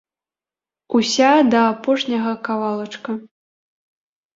Уся да апошняга кавалачка.